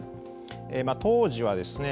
当時はですね